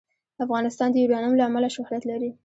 افغانستان د یورانیم له امله شهرت لري.